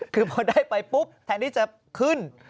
คือพอได้ไปปุ๊บแทนที่จะขึ้น